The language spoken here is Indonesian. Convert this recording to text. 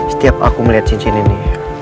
setiap aku melihat cincin ini